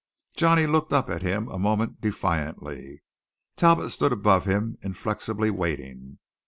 Johnny looked up at him a moment defiantly. Talbot stood above him, inflexibly waiting.